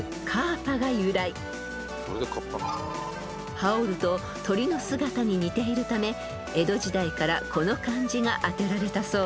［羽織ると鳥の姿に似ているため江戸時代からこの漢字が当てられたそうです］